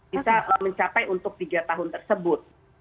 bisa mencapai untuk tiga tahun tersebut